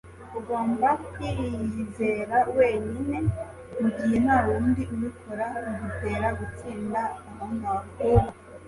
Ugomba kwiyizera wenyine mugihe ntawundi ubikora - bigutera gutsinda aho ngaho.